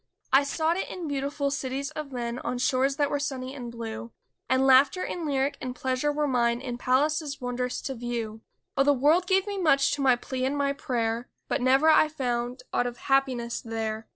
I sought it in beautiful cities of men, On shores that were sunny and blue. And laughter and lyric and pleasure were mine In palaces wondrous to view; Oh, the world gave me much to my plea and my prayer But never I found aught of happiness there!